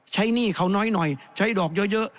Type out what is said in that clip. ใช้หนี้เขาน้อยใช้ดอกเยอะ